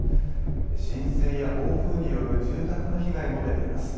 浸水や暴風による住宅の被害も出ています。